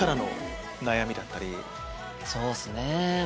そうっすね。